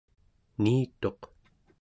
niituq